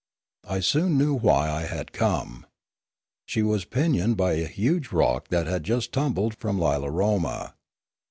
I soon knew why I had come. She was pinioned by a huge rock that had just tumbled from Lilaroma.